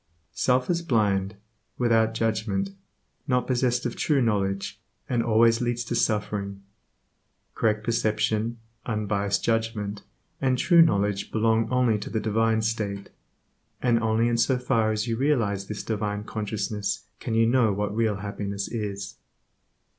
Self is blind, without judgment, not possessed of true knowledge, and always leads to suffering. Correct perception, unbiased judgment, and true knowledge belong only to the divine state, and only in so far as you realize this divine consciousness can you know what real happiness is.